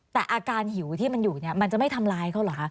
แต่อาการหิวที่มันอยู่เนี่ยมันจะไม่ทำร้ายเขาเหรอคะ